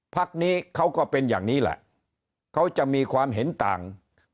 พักนี้เขาก็เป็นอย่างนี้แหละเขาจะมีความเห็นต่าง